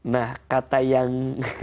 nah kata yang